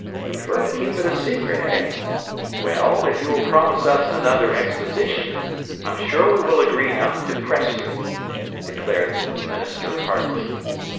Prefer to keep it a secret, eh? Well, if you will promise us another 'exposition' I'm sure we will agree not to press you," declared the minister, heartily.